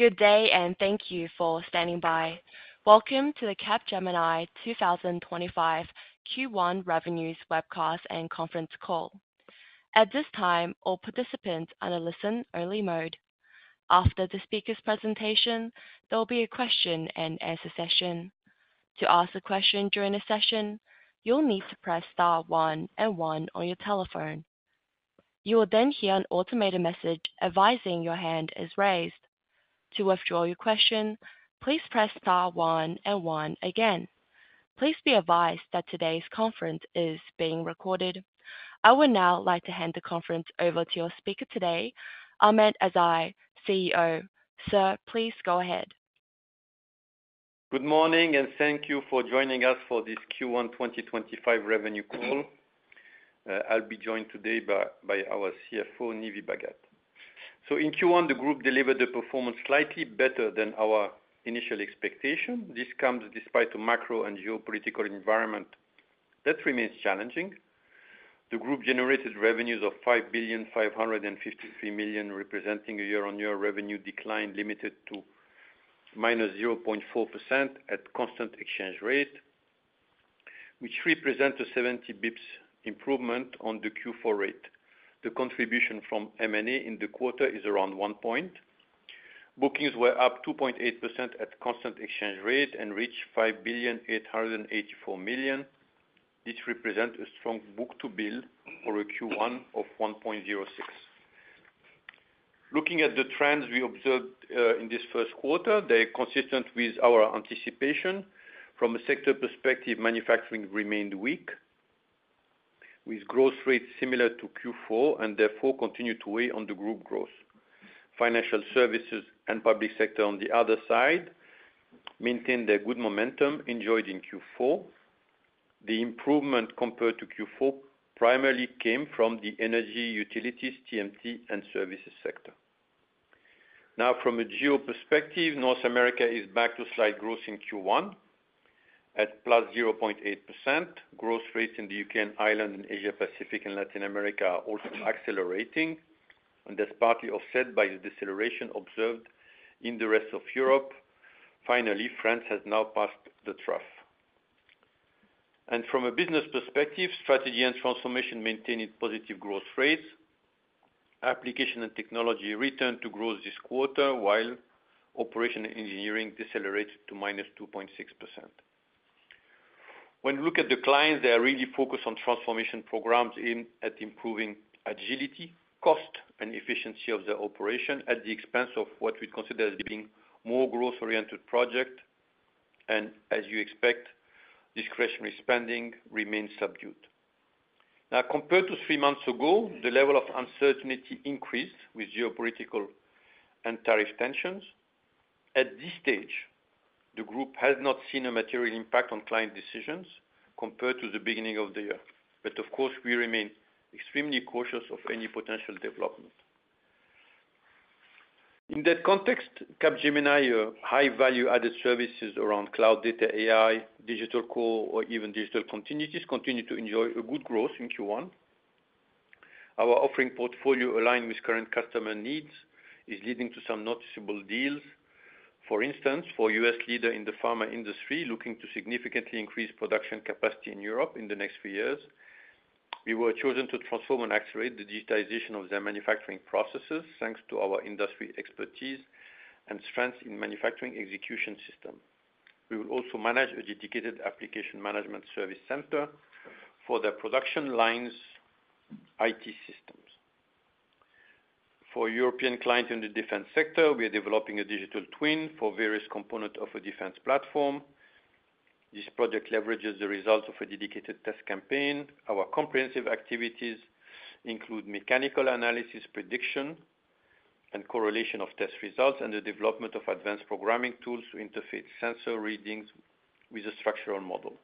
Good day, and thank you for standing by. Welcome to the Capgemini 2025 Q1 Revenues Webcast and Conference Call. At this time, all participants are in listen-only mode. After the speaker's presentation, there will be a question-and-answer session. To ask a question during the session, you'll need to press star one and one on your telephone. You will then hear an automated message advising your hand is raised. To withdraw your question, please press star one and one again. Please be advised that today's conference is being recorded. I would now like to hand the conference over to your speaker today, Aiman Ezzat, CEO. Sir, please go ahead. Good morning, and thank you for joining us for this Q1 2025 Revenue Call. I'll be joined today by our CFO, Nive Bhagat. In Q1, the group delivered a performance slightly better than our initial expectation. This comes despite a macro and geopolitical environment that remains challenging. The group generated revenues of 5,553 million, representing a year-on-year revenue decline limited to -0.4% at constant exchange rate, which represents a 70 basis points improvement on the Q4 rate. The contribution from M&A in the quarter is around one point. Bookings were up 2.8% at constant exchange rate and reached 5,884 million. This represents a strong book-to-bill for a Q1 of 1.06. Looking at the trends we observed in this Q1, they are consistent with our anticipation. From a sector perspective, manufacturing remained weak, with growth rates similar to Q4, and therefore continued to weigh on the group growth. Financial services and public sector, on the other side, maintained their good momentum enjoyed in Q4. The improvement compared to Q4 primarily came from the energy, utilities, TMT, and services sector. Now, from a geo perspective, North America is back to slight growth in Q1 at +0.8%. Growth rates in the U.K. and Ireland, and Asia Pacific and Latin America are also accelerating, and that's partly offset by the deceleration observed in the rest of Europe. Finally, France has now passed the trough. From a business perspective, Strategy & Transformation maintained positive growth rates. Applications & Technology returned to growth this quarter, while Operations & Engineering decelerated to -2.6%. When we look at the clients, they are really focused on transformation programs aimed at improving agility, cost, and efficiency of their operation at the expense of what we'd consider as being more growth-oriented projects. As you expect, discretionary spending remains subdued. Now, compared to three months ago, the level of uncertainty increased with geopolitical and tariff tensions. At this stage, the group has not seen a material impact on client decisions compared to the beginning of the year. Of course, we remain extremely cautious of any potential development. In that context, Capgemini, high-value-added services around cloud, data, AI, Digital Core, or even digital continuities continue to enjoy good growth in Q1. Our offering portfolio, aligned with current customer needs, is leading to some noticeable deals. For instance, for a US leader in the pharma industry looking to significantly increase production capacity in Europe in the next few years, we were chosen to transform and accelerate the digitization of their manufacturing processes thanks to our industry expertise and strengths in manufacturing execution systems. We will also manage a dedicated application management service center for their production lines' IT systems. For European clients in the defense sector, we are developing a digital twin for various components of a defense platform. This project leverages the results of a dedicated test campaign. Our comprehensive activities include mechanical analysis, prediction, and correlation of test results, and the development of advanced programming tools to interface sensor readings with a structural model.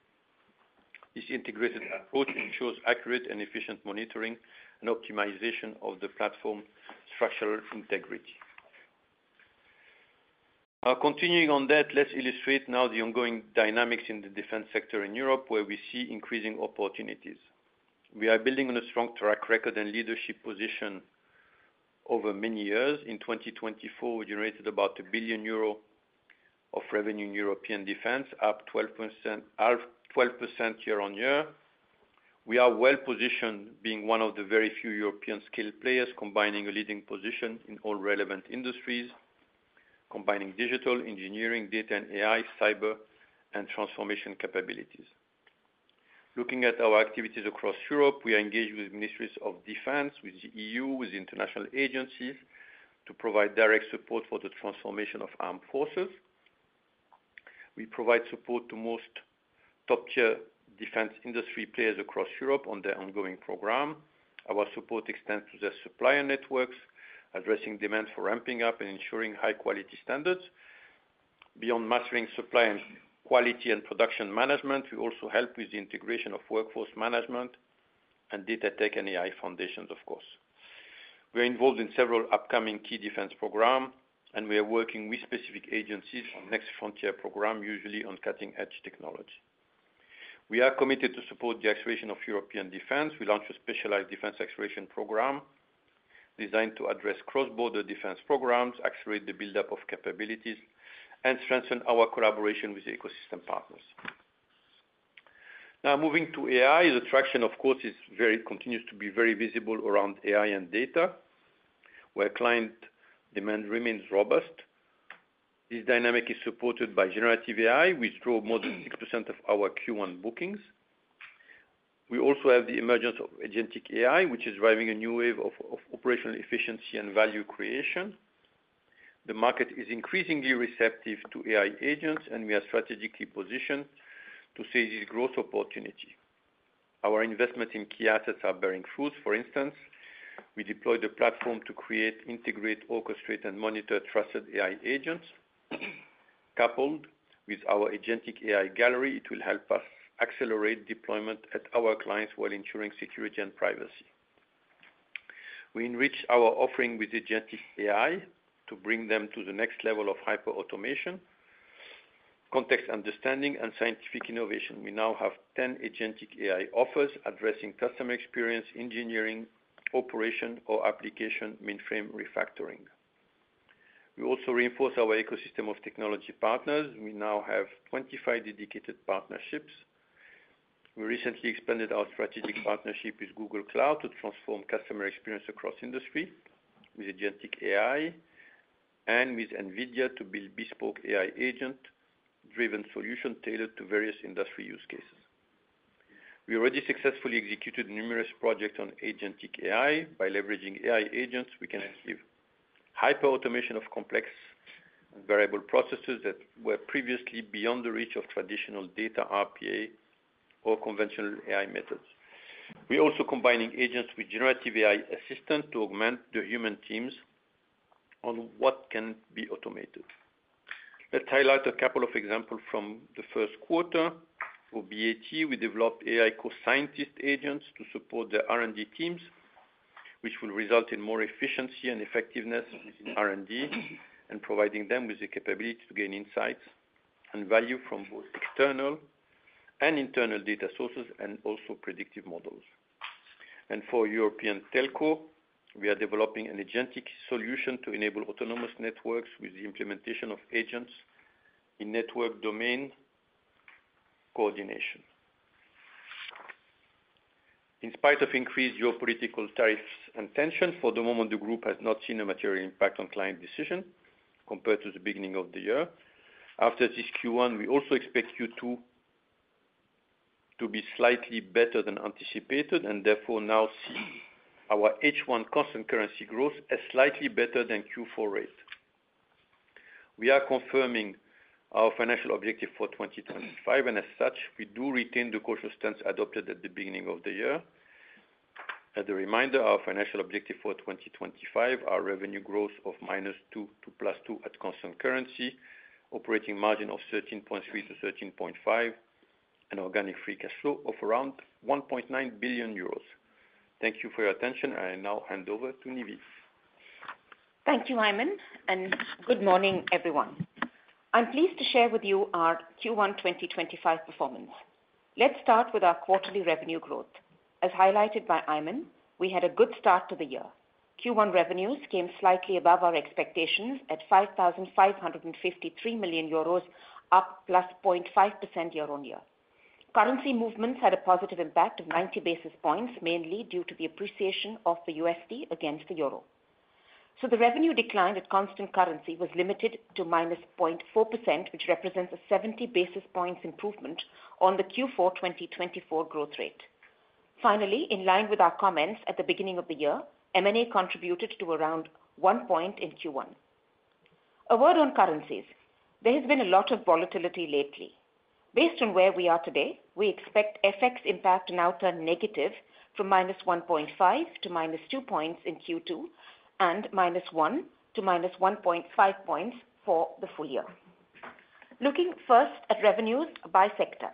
This integrated approach ensures accurate and efficient monitoring and optimization of the platform's structural integrity. Continuing on that, let's illustrate now the ongoing dynamics in the defense sector in Europe, where we see increasing opportunities. We are building on a strong track record and leadership position over many years. In 2024, we generated about 1 billion euro of revenue in European defense, up 12% year-on-year. We are well positioned, being one of the very few European-scale players combining a leading position in all relevant industries, combining digital, engineering, data, and AI, cyber, and transformation capabilities. Looking at our activities across Europe, we are engaged with ministries of defense, with the EU, with international agencies to provide direct support for the transformation of armed forces. We provide support to most top-tier defense industry players across Europe on their ongoing program. Our support extends to their supplier networks, addressing demand for ramping up and ensuring high-quality standards. Beyond mastering supply and quality and production management, we also help with the integration of workforce management and data tech and AI foundations, of course. We are involved in several upcoming key defense programs, and we are working with specific agencies on next frontier programs, usually on cutting-edge technology. We are committed to support the acceleration of European defense. We launched a specialized defense acceleration program designed to address cross-border defense programs, accelerate the build-up of capabilities, and strengthen our collaboration with ecosystem partners. Now, moving to AI, the traction, of course, continues to be very visible around AI and data, where client demand remains robust. This dynamic is supported by generative AI, which drove more than 6% of our Q1 bookings. We also have the emergence of agentic AI, which is driving a new wave of operational efficiency and value creation. The market is increasingly receptive to AI agents, and we are strategically positioned to seize this growth opportunity. Our investments in key assets are bearing fruit. For instance, we deployed a platform to create, integrate, orchestrate, and monitor trusted AI agents. Coupled with our Agentic AI Gallery, it will help us accelerate deployment at our clients while ensuring security and privacy. We enrich our offering with agentic AI to bring them to the next level of hyper-automation, context understanding, and scientific innovation. We now have 10 agentic AI offers addressing customer experience, engineering, operation, or application mainframe refactoring. We also reinforce our ecosystem of technology partners. We now have 25 dedicated partnerships. We recently expanded our strategic partnership with Google Cloud to transform customer experience across industry with agentic AI and with Nvidia to build bespoke AI agent-driven solutions tailored to various industry use cases. We already successfully executed numerous projects on agentic AI. By leveraging AI agents, we can achieve hyper-automation of complex variable processes that were previously beyond the reach of traditional data RPA or conventional AI methods. We are also combining agents with generative AI assistants to augment the human teams on what can be automated. Let's highlight a couple of examples from the Q1. For BAT, we developed AI Co-scientist agents to support the R&D teams, which will result in more efficiency and effectiveness in R&D and providing them with the capability to gain insights and value from both external and internal data sources and also predictive models. For European telco, we are developing an agentic solution to enable autonomous networks with the implementation of agents in network domain coordination. In spite of increased geopolitical tariffs and tension, for the moment, the group has not seen a material impact on client decision compared to the beginning of the year. After this Q1, we also expect Q2 to be slightly better than anticipated and therefore now see our H1 constant currency growth as slightly better than Q4 rate. We are confirming our financial objective for 2025, and as such, we do retain the cautious stance adopted at the beginning of the year. As a reminder, our financial objective for 2025 is revenue growth of -2% to 2% at constant currency, operating margin of 13.3%-13.5%, and organic free cash flow of around 1.9 billion euros. Thank you for your attention. I now hand over to Nive. Thank you, Aiman, and good morning, everyone. I'm pleased to share with you our Q1 2025 performance. Let's start with our quarterly revenue growth. As highlighted by Aiman, we had a good start to the year. Q1 revenues came slightly above our expectations at 5,553 million euros, up +0.5% year-on-year. Currency movements had a positive impact of 90 basis points, mainly due to the appreciation of the USD against the euro. The revenue decline at constant currency was limited to -0.4%, which represents a 70 basis points improvement on the Q4 2024 growth rate. Finally, in line with our comments at the beginning of the year, M&A contributed to around one point in Q1. A word on currencies. There has been a lot of volatility lately. Based on where we are today, we expect FX impact now to turn negative from -1.5% to -2% in Q2 and -1% to -1.5% for the full year. Looking first at revenues by sector,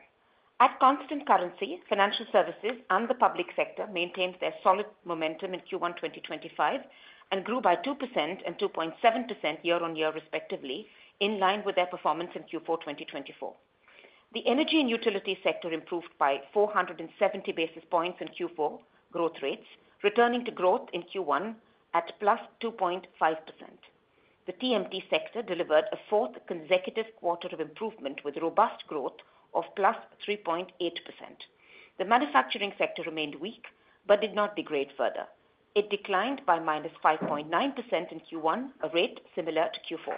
at constant currency, financial services and the public sector maintained their solid momentum in Q1 2025 and grew by 2% and 2.7% year-on-year, respectively, in line with their performance in Q4 2024. The energy and utility sector improved by 470 basis points in Q4 growth rates, returning to growth in Q1 at +2.5%. The TMT sector delivered a fourth consecutive quarter of improvement with robust growth of +3.8%. The manufacturing sector remained weak but did not degrade further. It declined by -5.9% in Q1, a rate similar to Q4.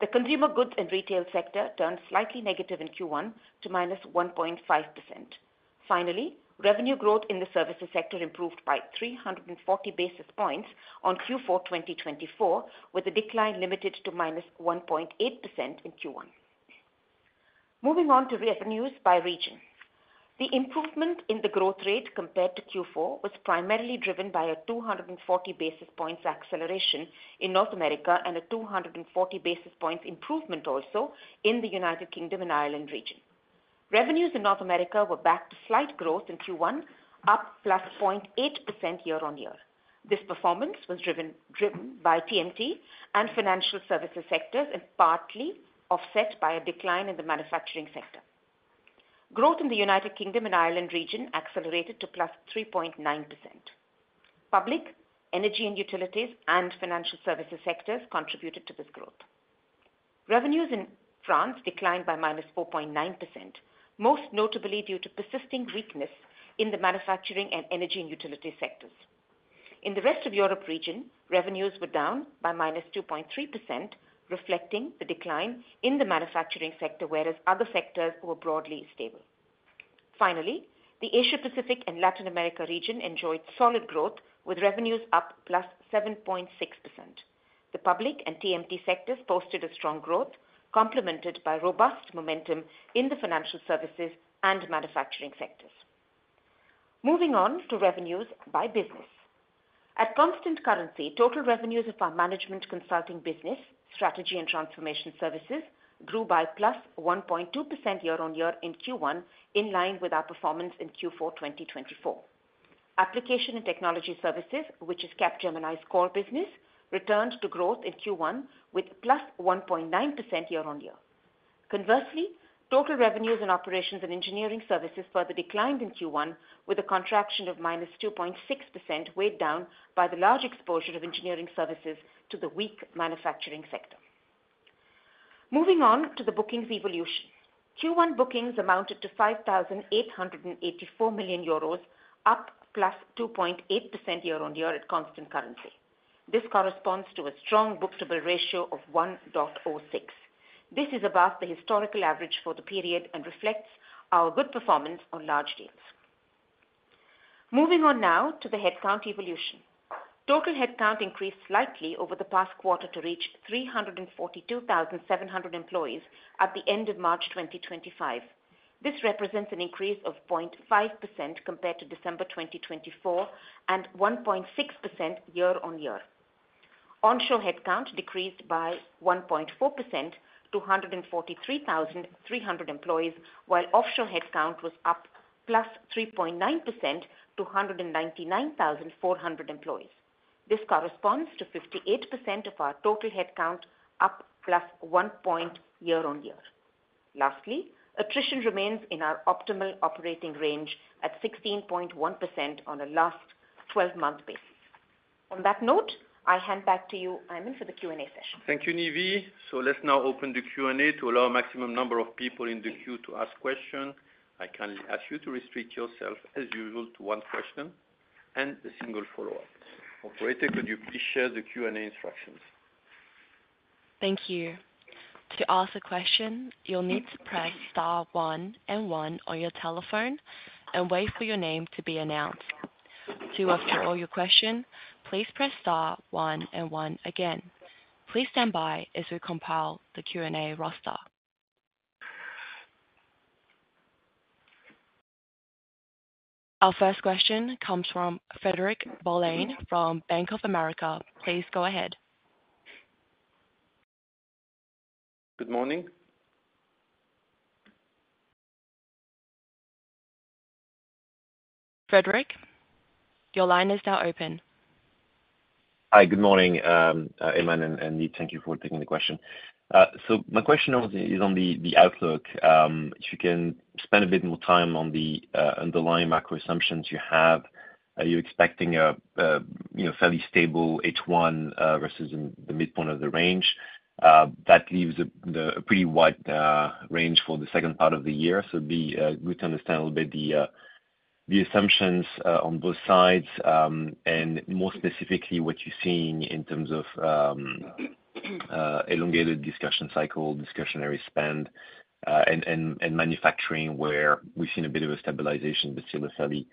The consumer goods and retail sector turned slightly negative in Q1 to -1.5%. Finally, revenue growth in the services sector improved by 340 basis points on Q4 2024, with the decline limited to -1.8% in Q1. Moving on to revenues by region, the improvement in the growth rate compared to Q4 was primarily driven by a 240 basis points acceleration in North America and a 240 basis points improvement also in the U.K. and Ireland region. Revenues in North America were back to slight growth in Q1, up +0.8% year-on-year. This performance was driven by TMT and financial services sectors and partly offset by a decline in the manufacturing sector. Growth in the U.K. and Ireland region accelerated to +3.9%. Public, energy, and utilities, and financial services sectors contributed to this growth. Revenues in France declined by -4.9%, most notably due to persisting weakness in the manufacturing and energy and utility sectors. In the rest of Europe region, revenues were down by -2.3%, reflecting the decline in the manufacturing sector, whereas other sectors were broadly stable. Finally, the Asia Pacific and Latin America region enjoyed solid growth with revenues up +7.6%. The public and TMT sectors posted a strong growth, complemented by robust momentum in the financial services and manufacturing sectors. Moving on to revenues by business. At constant currency, total revenues of our management consulting business, strategy and transformation services grew by +1.2% year-on-year in Q1, in line with our performance in Q4 2024. Application and technology services, which is Capgemini's core business, returned to growth in Q1 with +1.9% year-on-year. Conversely, total revenues in Operations & Engineering services further declined in Q1, with a contraction of -2.6% weighed down by the large exposure of engineering services to the weak manufacturing sector. Moving on to the bookings evolution. Q1 bookings amounted to 5,884 million euros, up +2.8% year-on-year at constant currency. This corresponds to a strong book-to-bill ratio of 1.06. This is above the historical average for the period and reflects our good performance on large deals. Moving on now to the headcount evolution. Total headcount increased slightly over the past quarter to reach 342,700 employees at the end of March 2025. This represents an increase of 0.5% compared to December 2024 and 1.6% year-on-year. Onshore headcount decreased by 1.4% to 143,300 employees, while offshore headcount was up +3.9% to 199,400 employees. This corresponds to 58% of our total headcount, up +1 percentage point year-on-year. Lastly, attrition remains in our optimal operating range at 16.1% on a last 12-month basis. On that note, I hand back to you, Aiman, for the Q&A session. Thank you, Nive. Let's now open the Q&A to allow a maximum number of people in the queue to ask questions. I kindly ask you to restrict yourself, as usual, to one question and a single follow-up. Operator, could you please share the Q&A instructions? Thank you. To ask a question, you'll need to press star one and one on your telephone and wait for your name to be announced. To withdraw your question, please press star one and one again. Please stand by as we compile the Q&A roster. Our first question comes from Frédéric Boulan from Bank of America. Please go ahead. Good morning. Frédéric, your line is now open. Hi, good morning, Aiman and Nive. Thank you for taking the question. My question is on the outlook. If you can spend a bit more time on the underlying macro assumptions you have, are you expecting a fairly stable H1 versus in the midpoint of the range? That leaves a pretty wide range for the second part of the year. It would be good to understand a little bit the assumptions on both sides and more specifically what you're seeing in terms of elongated discussion cycle, discretionary spend, and manufacturing, where we've seen a bit of a stabilization, but still a fairly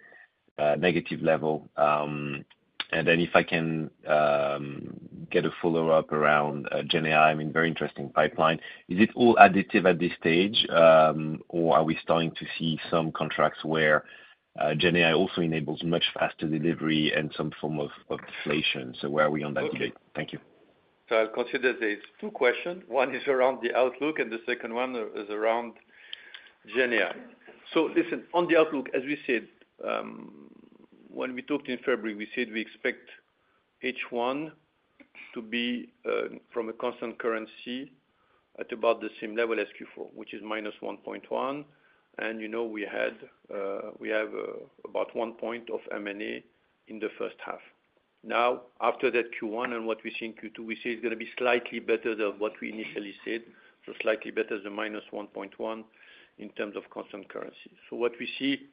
negative level. If I can get a follow-up around GenAI, I mean, very interesting pipeline. Is it all additive at this stage, or are we starting to see some contracts where GenAI also enables much faster delivery and some form of inflation? Where are we on that debate? Thank you. I'll consider these two questions. One is around the outlook, and the second one is around GenAI. Listen, on the outlook, as we said, when we talked in February, we said we expect H1 to be from a constant currency at about the same level as Q4, which is -1.1%. We have about 1% of M&A in the first half. Now, after that Q1 and what we see in Q2, we see it's going to be slightly better than what we initially said, so slightly better than -1.1% in terms of constant currency. What we see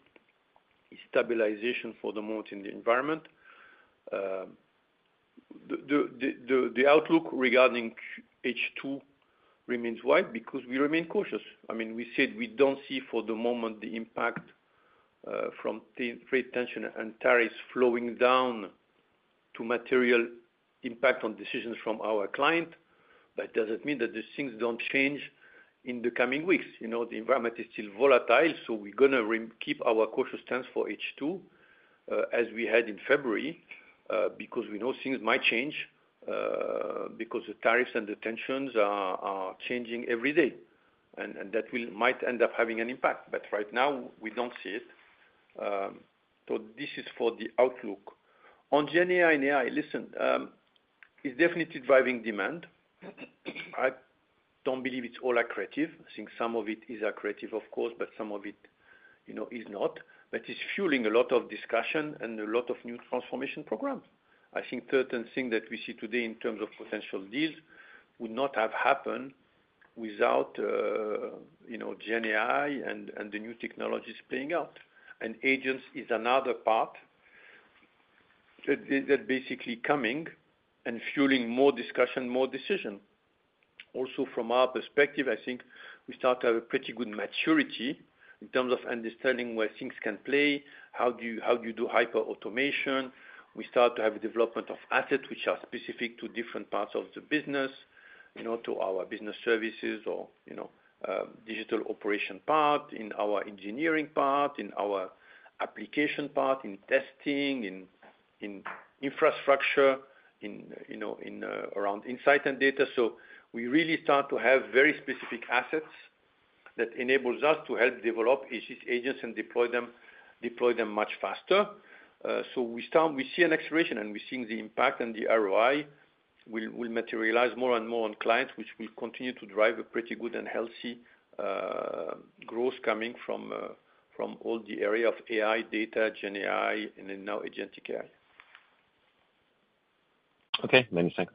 is stabilization for the moment in the environment. The outlook regarding H2 remains wide because we remain cautious. I mean, we said we don't see for the moment the impact from trade tension and tariffs flowing down to material impact on decisions from our client, but it doesn't mean that these things don't change in the coming weeks. The environment is still volatile, so we're going to keep our cautious stance for H2 as we had in February because we know things might change because the tariffs and the tensions are changing every day, and that might end up having an impact. Right now, we don't see it. This is for the outlook. On GenAI and AI, listen, it's definitely driving demand. I don't believe it's all accurate, since some of it is accurate, of course, but some of it is not. It's fueling a lot of discussion and a lot of new transformation programs. I think certain things that we see today in terms of potential deals would not have happened without GenAI and the new technologies playing out. Agents is another part that's basically coming and fueling more discussion, more decision. Also, from our perspective, I think we start to have a pretty good maturity in terms of understanding where things can play, how do you do hyper-automation. We start to have a development of assets which are specific to different parts of the business, to our business services or digital operation part, in our engineering part, in our application part, in testing, in infrastructure, around insight and data. We really start to have very specific assets that enable us to help develop these agents and deploy them much faster. We see an acceleration, and we're seeing the impact and the ROI will materialize more and more on clients, which will continue to drive a pretty good and healthy growth coming from all the area of AI, data, GenAI, and then now agentic AI. Okay. Many thanks.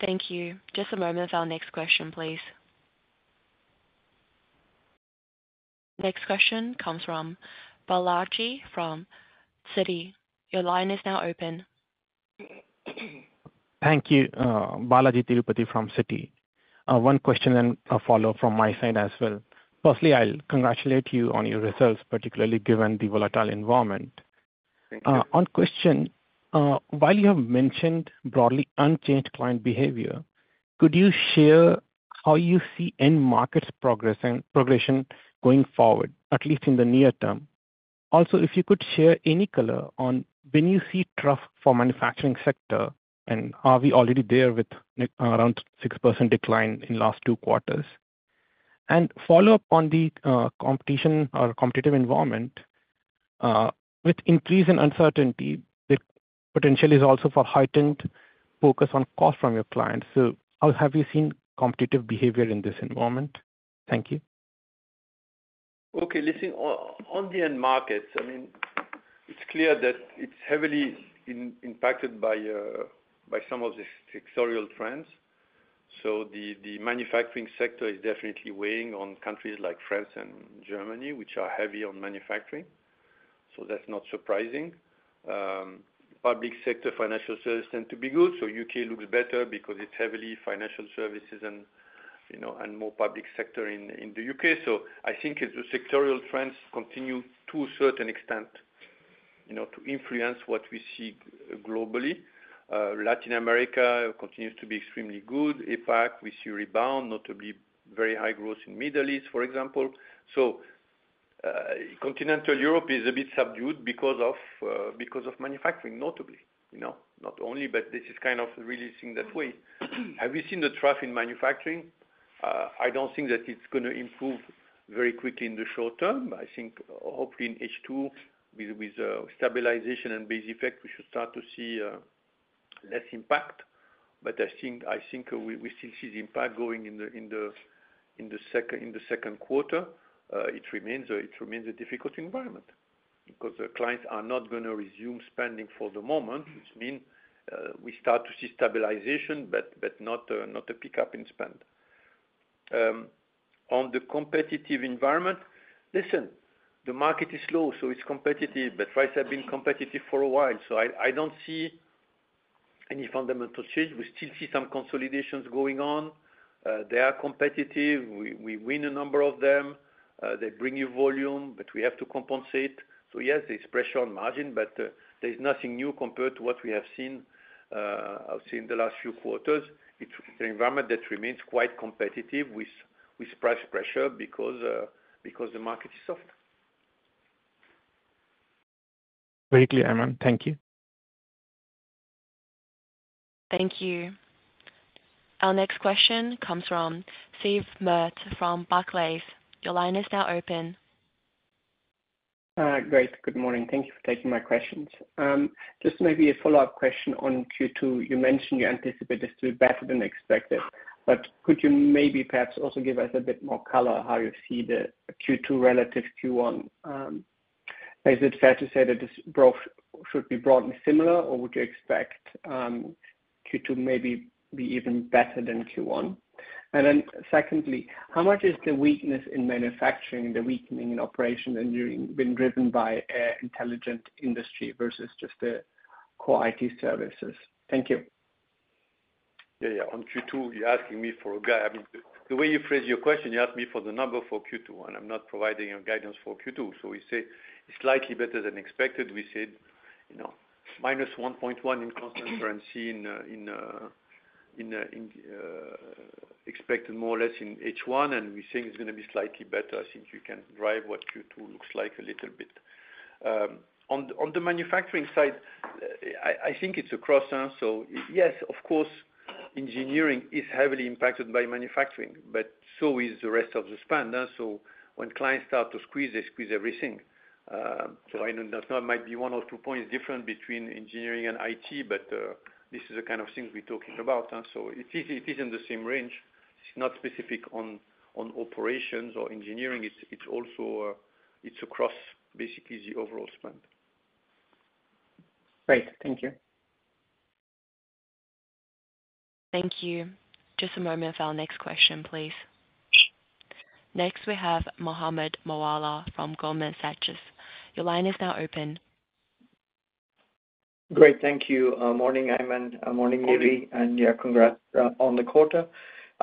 Thank you. Just a moment for our next question, please. Next question comes from Balajee Tirupati from Citi. Your line is now open. Thank you. Balajee Tirupati from Citi. One question and a follow-up from my side as well. Firstly, I'll congratulate you on your results, particularly given the volatile environment. Thank you. One question, while you have mentioned broadly unchanged client behavior, could you share how you see end markets progression going forward, at least in the near term? Also, if you could share any color on when you see trough for manufacturing sector, and are we already there with around 6% decline in the last two quarters? Follow-up on the competition or competitive environment, with increase in uncertainty, the potential is also for heightened focus on cost from your clients. How have you seen competitive behavior in this environment? Thank you. Okay. Listen, on the end markets, I mean, it's clear that it's heavily impacted by some of the sectorial trends. The manufacturing sector is definitely weighing on countries like France and Germany, which are heavy on manufacturing. That's not surprising. Public sector financial services tend to be good. The U.K. looks better because it's heavily financial services and more public sector in the U.K. I think the sectorial trends continue to a certain extent to influence what we see globally. Latin America continues to be extremely good. Asia Pacific, we see rebound, notably very high growth in the Middle East, for example. Continental Europe is a bit subdued because of manufacturing, notably. Not only, but this is kind of really seeing that way. Have we seen the trust in manufacturing? I don't think that it's going to improve very quickly in the short term. I think hopefully in H2, with stabilization and base effect, we should start to see less impact. I think we still see the impact going in the Q2. It remains a difficult environment because clients are not going to resume spending for the moment, which means we start to see stabilization, but not a pickup in spend. On the competitive environment, listen, the market is slow, so it's competitive, but prices have been competitive for a while. I don't see any fundamental change. We still see some consolidations going on. They are competitive. We win a number of them. They bring you volume, but we have to compensate. Yes, there's pressure on margin, but there's nothing new compared to what we have seen, I would say, in the last few quarters. It's an environment that remains quite competitive with price pressure because the market is soft. Very clear, Aiman. Thank you. Thank you. Our next question comes from Sven Merkt from Barclays. Your line is now open. Great. Good morning. Thank you for taking my questions. Just maybe a follow-up question on Q2. You mentioned you anticipate this to be better than expected, but could you maybe perhaps also give us a bit more color on how you see the Q2 relative to Q1? Is it fair to say that this growth should be broadly similar, or would you expect Q2 maybe be even better than Q1? Secondly, how much is the weakness in manufacturing, the weakening in operations engineering, been driven by Intelligent Industry versus just the core IT services? Thank you. Yeah, yeah. On Q2, you're asking me for a guide. I mean, the way you phrased your question, you asked me for the number for Q2, and I'm not providing a guidance for Q2. We say it's slightly better than expected. We said minus 1.1 in constant currency expected more or less in H1, and we think it's going to be slightly better since you can drive what Q2 looks like a little bit. On the manufacturing side, I think it's a crossover. Yes, of course, engineering is heavily impacted by manufacturing, but so is the rest of the spend. When clients start to squeeze, they squeeze everything. I don't know. It might be one or two points different between engineering and IT, but this is the kind of things we're talking about. It is in the same range. It's not specific on operations or engineering. It's across basically the overall spend. Great. Thank you. Thank you. Just a moment for our next question, please. Next, we have Mohammed Moawalla from Goldman Sachs. Your line is now open. Great. Thank you. Morning, Aiman. Morning, Nivedita. Yeah, congrats on the quarter.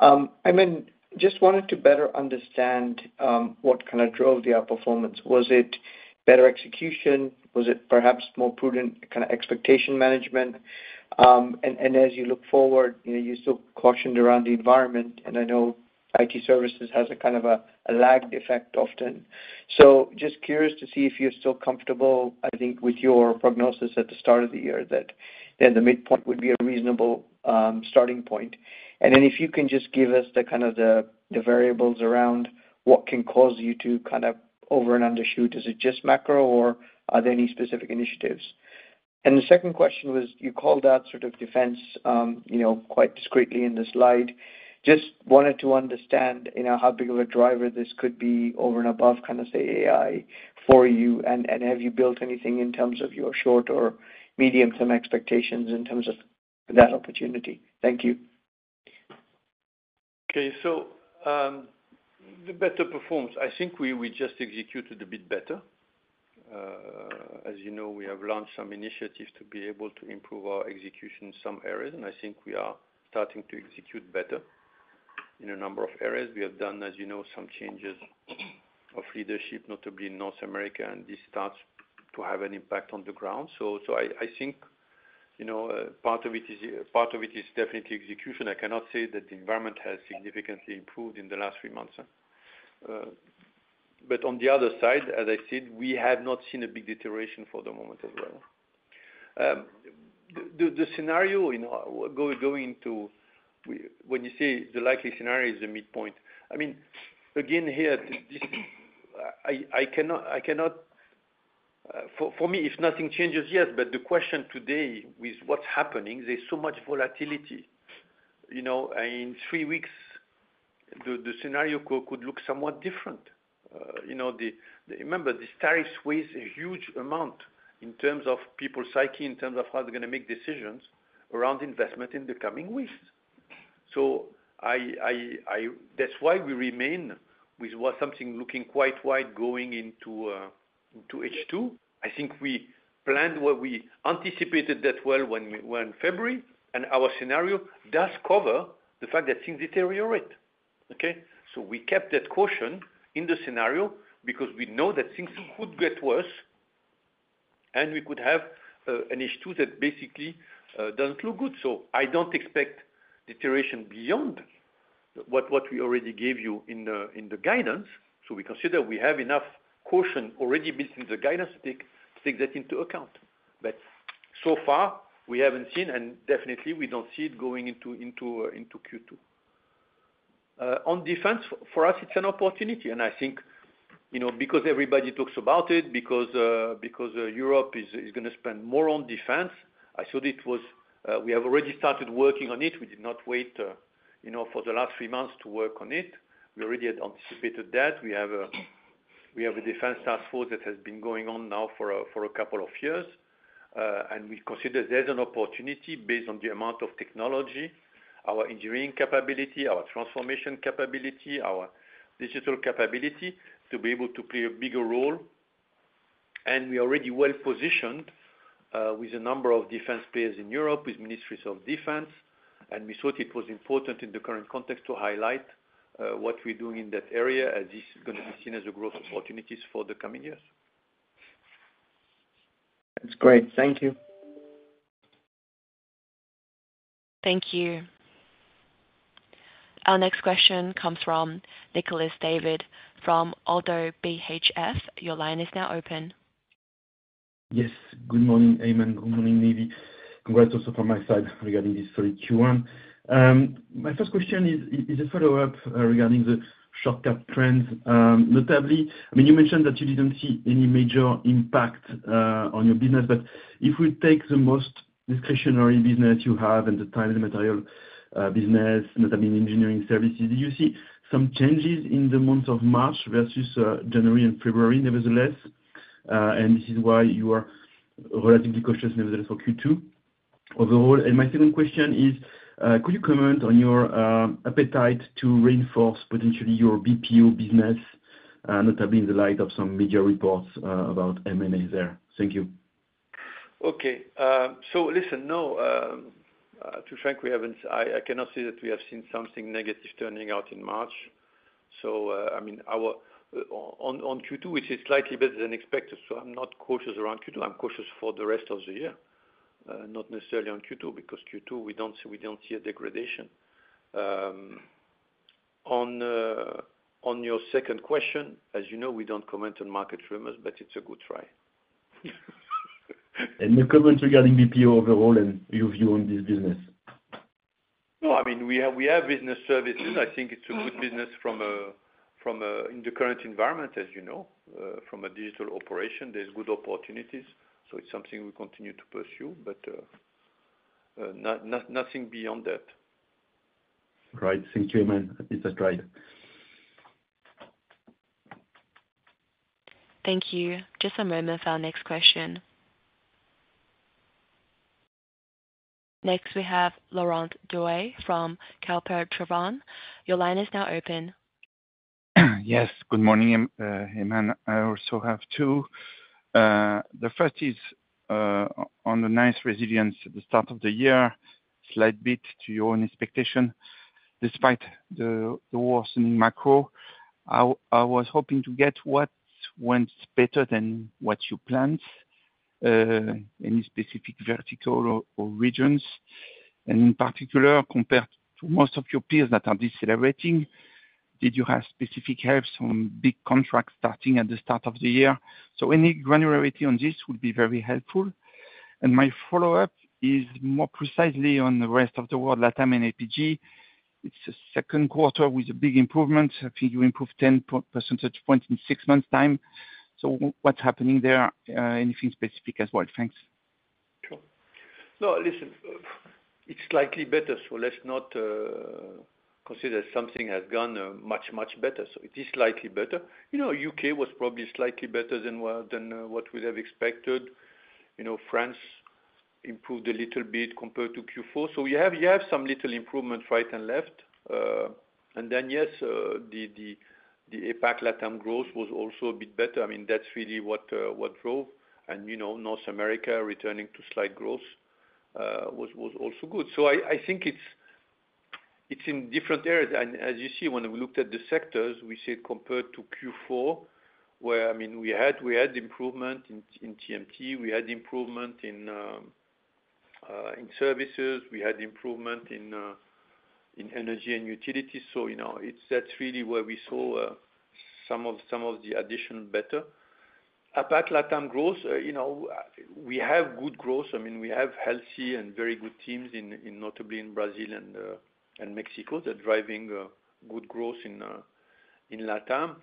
Aiman, just wanted to better understand what kind of drove the outperformance. Was it better execution? Was it perhaps more prudent kind of expectation management? As you look forward, you're still cautioned around the environment, and I know IT services has a kind of a lagged effect often. Just curious to see if you're still comfortable, I think, with your prognosis at the start of the year that the midpoint would be a reasonable starting point. If you can just give us the kind of the variables around what can cause you to kind of over and undershoot, is it just macro, or are there any specific initiatives? The second question was, you called out sort of defense quite discretely in the slide. Just wanted to understand how big of a driver this could be over and above, kind of say, AI for you, and have you built anything in terms of your short or medium-term expectations in terms of that opportunity? Thank you. Okay. The better performance, I think we just executed a bit better. As you know, we have launched some initiatives to be able to improve our execution in some areas, and I think we are starting to execute better in a number of areas. We have done, as you know, some changes of leadership, notably in North America, and this starts to have an impact on the ground. I think part of it is definitely execution. I cannot say that the environment has significantly improved in the last few months. On the other side, as I said, we have not seen a big deterioration for the moment as well. The scenario going into when you say the likely scenario is the midpoint, I mean, again, here, I cannot for me, if nothing changes, yes, but the question today is what's happening? There's so much volatility. In three weeks, the scenario could look somewhat different. Remember, this tariff sways a huge amount in terms of people's psyche, in terms of how they're going to make decisions around investment in the coming weeks. That is why we remain with something looking quite wide going into H2. I think we planned what we anticipated that well in February, and our scenario does cover the fact that things deteriorate. Okay? We kept that caution in the scenario because we know that things could get worse, and we could have an H2 that basically does not look good. I do not expect deterioration beyond what we already gave you in the guidance. We consider we have enough caution already built in the guidance to take that into account. So far, we have not seen, and definitely, we do not see it going into Q2. On defense, for us, it's an opportunity, and I think because everybody talks about it, because Europe is going to spend more on defense, I thought it was we have already started working on it. We did not wait for the last three months to work on it. We already had anticipated that. We have a defense task force that has been going on now for a couple of years, and we consider there's an opportunity based on the amount of technology, our engineering capability, our transformation capability, our digital capability to be able to play a bigger role. We're already well positioned with a number of defense players in Europe, with ministries of defense, and we thought it was important in the current context to highlight what we're doing in that area as it's going to be seen as a growth opportunity for the coming years. That's great. Thank you. Thank you. Our next question comes from Nicolas David from ODDO BHF. Your line is now open. Yes. Good morning, Aiman. Good morning, Nive. Congrats also from my side regarding this Q1. My first question is a follow-up regarding the short-term trends. Notably, I mean, you mentioned that you didn't see any major impact on your business, but if we take the most discretionary business you have and the time and material business, not only engineering services, did you see some changes in the months of March versus January and February nevertheless? This is why you are relatively cautious nevertheless for Q2 overall. My second question is, could you comment on your appetite to reinforce potentially your BPO business, notably in the light of some media reports about M&A there? Thank you. Okay. Listen, no, to be frank, I cannot say that we have seen something negative turning out in March. I mean, on Q2, which is slightly better than expected, I am not cautious around Q2. I am cautious for the rest of the year, not necessarily on Q2 because Q2, we do not see a degradation. On your second question, as you know, we do not comment on market rumors, but it is a good try. Your comments regarding BPO overall and your view on this business? No, I mean, we have business services. I think it's a good business in the current environment, as you know. From a digital operation, there's good opportunities. It's something we continue to pursue, but nothing beyond that. Great. Thank you, Aiman. It's a drive. Thank you. Just a moment for our next question. Next, we have Laurent Daure from Kepler Cheuvreux. Your line is now open. Yes. Good morning, Aiman. I also have two. The first is on the nice resilience at the start of the year, slight bit to your own expectation. Despite the worsening macro, I was hoping to get what went better than what you planned, any specific vertical or regions. In particular, compared to most of your peers that are decelerating, did you have specific helps on big contracts starting at the start of the year? Any granularity on this would be very helpful. My follow-up is more precisely on the rest of the world, LATAM and APG. It is the Q2 with a big improvement. I think you improved 10 percentage points in six months' time. What is happening there? Anything specific as well? Thanks. Sure. No, listen, it's slightly better, so let's not consider something has gone much, much better. It is slightly better. U.K. was probably slightly better than what we have expected. France improved a little bit compared to Q4. You have some little improvement right and left. Yes, the Asia Pacific Latin America growth was also a bit better. I mean, that's really what drove. North America returning to slight growth was also good. I think it's in different areas. As you see, when we looked at the sectors, we said compared to Q4, where, I mean, we had improvement in TMT, we had improvement in services, we had improvement in energy and utilities. That's really where we saw some of the addition better. Asia Pacific Latin America growth, we have good growth. I mean, we have healthy and very good teams, notably in Brazil and Mexico, that are driving good growth in Latin America.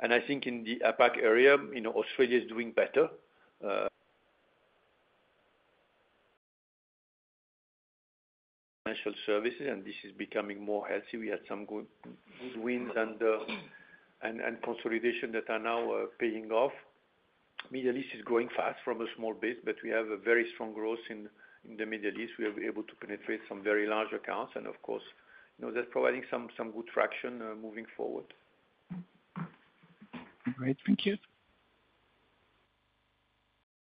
I think in the Asia Pacific area, Australia is doing better. Financial services, and this is becoming more healthy. We had some good wins and consolidations that are now paying off. Middle East is growing fast from a small base, but we have a very strong growth in the Middle East. We are able to penetrate some very large accounts, and of course, that's providing some good traction moving forward. Great. Thank you.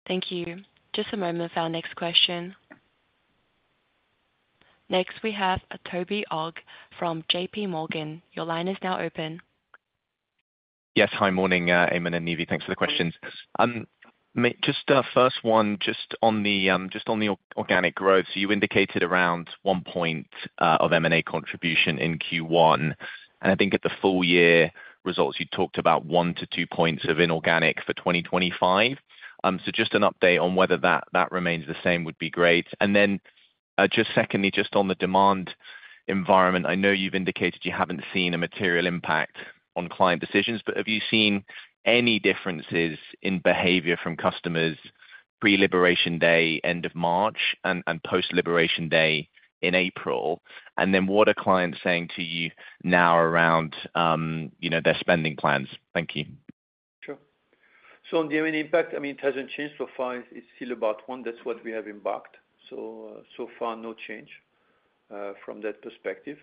Thank you. Just a moment for our next question. Next, we have Toby Ogg from JPMorgan. Your line is now open. Yes. Hi, morning, Aiman and Nive. Thanks for the questions. Just first one, just on the organic growth. You indicated around one point of M&A contribution in Q1. I think at the full-year results, you talked about one to two points of inorganic for 2025. Just an update on whether that remains the same would be great. Just secondly, just on the demand environment, I know you've indicated you haven't seen a material impact on client decisions, but have you seen any differences in behavior from customers pre-liberation day, end of March, and post-liberation day in April? What are clients saying to you now around their spending plans? Thank you. Sure. On the M&A impact, I mean, it hasn't changed so far. It's still about one. That's what we have embarked. So far, no change from that perspective.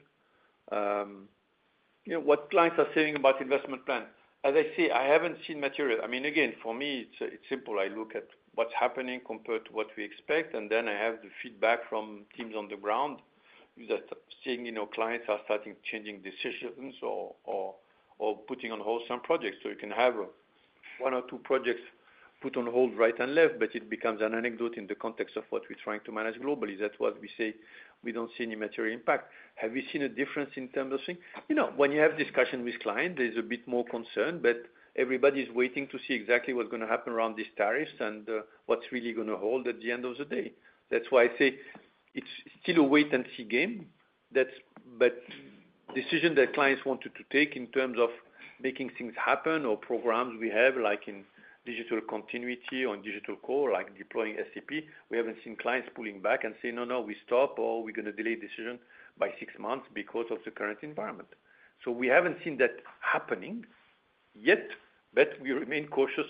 What clients are saying about investment plan? As I say, I haven't seen material. I mean, again, for me, it's simple. I look at what's happening compared to what we expect, and then I have the feedback from teams on the ground that I'm seeing clients are starting changing decisions or putting on hold some projects. You can have one or two projects put on hold right and left, but it becomes an anecdote in the context of what we're trying to manage globally. Is that what we say? We don't see any material impact. Have you seen a difference in terms of things? When you have discussion with clients, there's a bit more concern, but everybody's waiting to see exactly what's going to happen around these tariffs and what's really going to hold at the end of the day. That's why I say it's still a wait-and-see game. Decisions that clients wanted to take in terms of making things happen or programs we have, like in digital continuity or in Digital Core, like deploying SAP, we haven't seen clients pulling back and saying, "No, no, we stop," or, "We're going to delay decision by six months because of the current environment." We haven't seen that happening yet, but we remain cautious.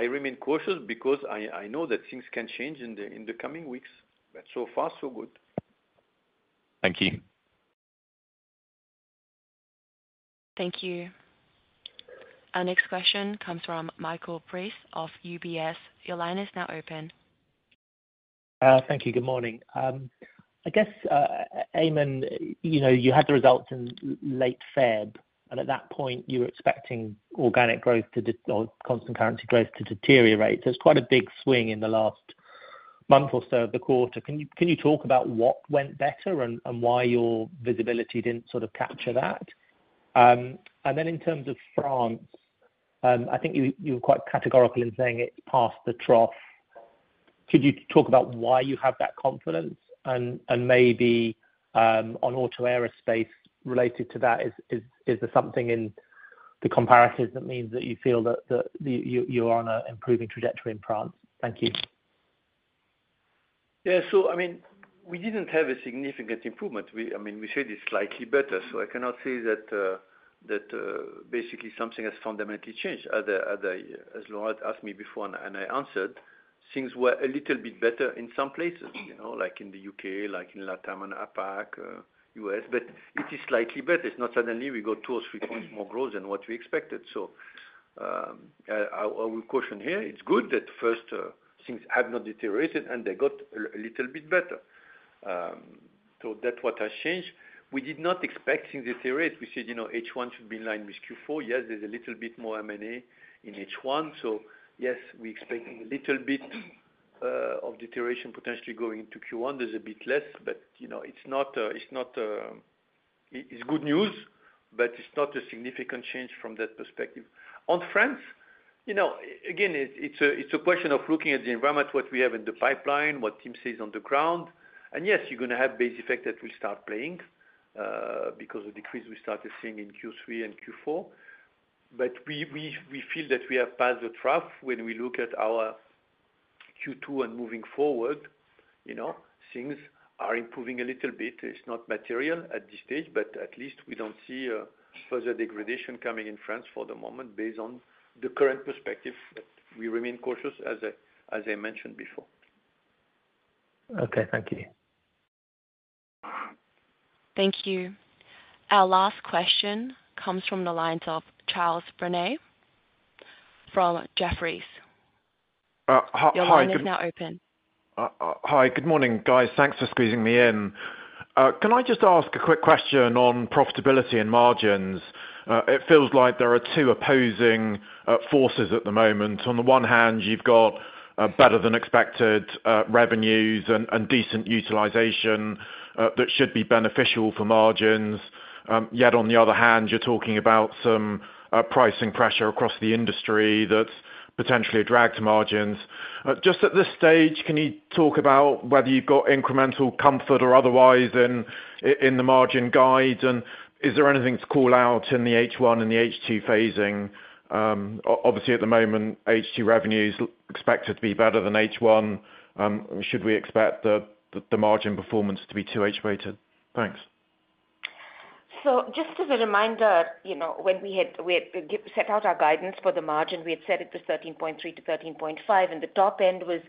I remain cautious because I know that things can change in the coming weeks, but so far, so good. Thank you. Thank you. Our next question comes from Michael Briest of UBS. Your line is now open. Thank you. Good morning. I guess, Aiman, you had the results in late February, and at that point, you were expecting organic growth or constant currency growth to deteriorate. It is quite a big swing in the last month or so of the quarter. Can you talk about what went better and why your visibility did not sort of capture that? In terms of France, I think you were quite categorical in saying it passed the trough. Could you talk about why you have that confidence? Maybe on auto, aerospace, related to that, is there something in the comparators that means that you feel that you are on an improving trajectory in France? Thank you. Yeah. I mean, we did not have a significant improvement. I mean, we said it is slightly better. I cannot say that basically something has fundamentally changed. As Laurent asked me before, and I answered, things were a little bit better in some places, like in the U.K., like in Latin America and Asia Pacific, U.S., but it is slightly better. It is not suddenly we got two or three percentage points more growth than what we expected. Our caution here, it is good that first, things have not deteriorated, and they got a little bit better. That is what has changed. We did not expect things to deteriorate. We said H1 should be in line with Q4. Yes, there is a little bit more M&A in H1. Yes, we expect a little bit of deterioration potentially going into Q1. There's a bit less, but it's not good news, but it's not a significant change from that perspective. On France, again, it's a question of looking at the environment, what we have in the pipeline, what team says on the ground. Yes, you're going to have base effect that will start playing because of the decrease we started seeing in Q3 and Q4. We feel that we have passed the trough when we look at our Q2 and moving forward, things are improving a little bit. It's not material at this stage, but at least we don't see further degradation coming in France for the moment based on the current perspective. We remain cautious, as I mentioned before. Okay. Thank you. Thank you. Our last question comes from the lines of Charles Brennan from Jefferies. Hi. Your line is now open. Hi. Good morning, guys. Thanks for squeezing me in. Can I just ask a quick question on profitability and margins? It feels like there are two opposing forces at the moment. On the one hand, you've got better-than-expected revenues and decent utilization that should be beneficial for margins. Yet on the other hand, you're talking about some pricing pressure across the industry that's potentially a drag to margins. Just at this stage, can you talk about whether you've got incremental comfort or otherwise in the margin guide? Is there anything to call out in the H1 and the H2 phasing? Obviously, at the moment, H2 revenues are expected to be better than H1. Should we expect the margin performance to be too H-weighted? Thanks. Just as a reminder, when we set out our guidance for the margin, we had set it to 13.3-13.5, and the top end was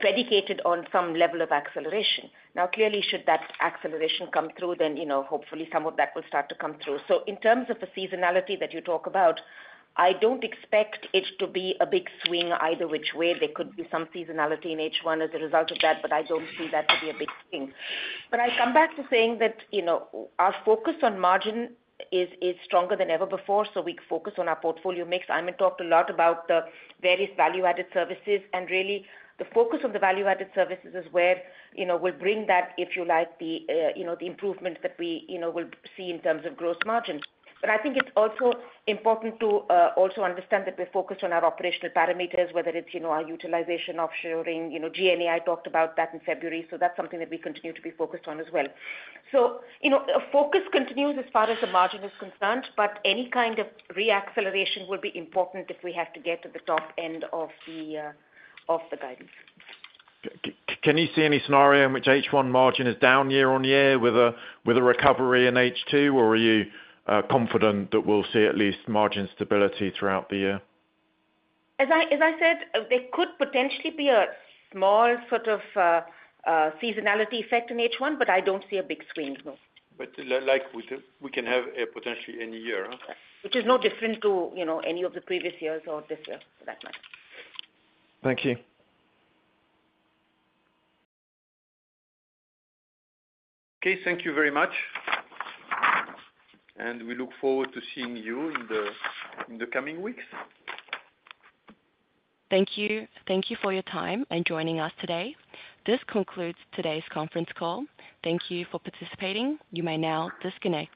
predicated on some level of acceleration. Now, clearly, should that acceleration come through, then hopefully some of that will start to come through. In terms of the seasonality that you talk about, I do not expect it to be a big swing either which way. There could be some seasonality in H1 as a result of that, but I do not see that to be a big thing. I come back to saying that our focus on margin is stronger than ever before, so we focus on our portfolio mix. I mean, talked a lot about the various value-added services, and really, the focus on the value-added services is where we'll bring that, if you like, the improvement that we will see in terms of gross margin. I think it's also important to also understand that we're focused on our operational parameters, whether it's our utilization, offshoring, G&A. I talked about that in February, so that's something that we continue to be focused on as well. Focus continues as far as the margin is concerned, but any kind of re-acceleration will be important if we have to get to the top end of the guidance. Can you see any scenario in which H1 margin is down year on year with a recovery in H2, or are you confident that we'll see at least margin stability throughout the year? As I said, there could potentially be a small sort of seasonality effect in H1, but I don't see a big swing, no. We can have a potentially any year. Which is no different to any of the previous years or this year, for that matter. Thank you. Okay. Thank you very much. We look forward to seeing you in the coming weeks. Thank you. Thank you for your time and joining us today. This concludes today's conference call. Thank you for participating. You may now disconnect.